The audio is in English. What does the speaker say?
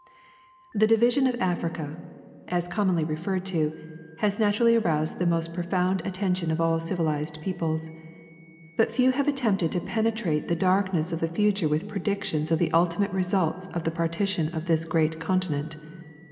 The division of Africa, as commonly referred to, has naturally aroused the most profound attention of all civilized peoples. But few have attempted to pen^trate the darkness of the future with predictions of the ultimate results of the partition of this great continent.